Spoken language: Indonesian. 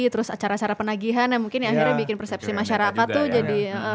terus acara acara penagihan yang mungkin akhirnya bikin persepsi masyarakat tuh jadi